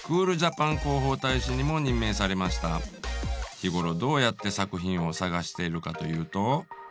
日頃どうやって作品を探しているかというと？